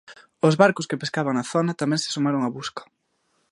Os barcos que pescaban na zona tamén se sumaron á busca.